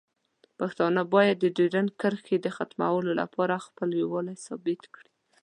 پښتانه باید د ډیورنډ کرښې د ختمولو لپاره خپل یووالی ثابت کړي.